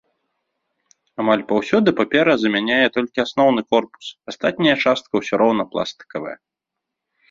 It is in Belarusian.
Амаль паўсюдна папера замяняе толькі асноўны корпус, астатняя частка ўсё роўна пластыкавая.